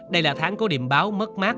đây là tháng có điểm báo mất mát